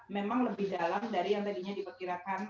memang lebih dalam dari yang tadinya diperkirakan